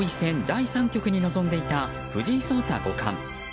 第３局に臨んでいた藤井聡太五冠。